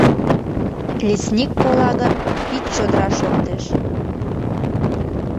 Лесник кола гын, пич чодыра шортеш…